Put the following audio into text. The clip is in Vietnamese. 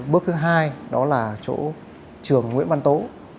bước thứ hai đó là chỗ trường nguyễn văn tố